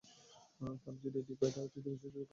তারা যদি এটি পায়, তারা তৃতীয় বিশ্বযুদ্ধ শুরু করবে।